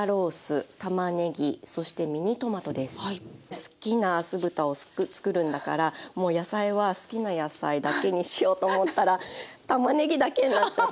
好きな酢豚を作るんだからもう野菜は好きな野菜だけにしようと思ったらたまねぎだけになっちゃって。